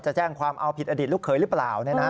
แจ้งความเอาผิดอดีตลูกเคยหรือเปล่า